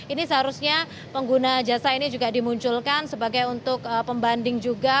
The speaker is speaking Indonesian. ini seharusnya pengguna jasa ini juga dimunculkan sebagai untuk pembanding juga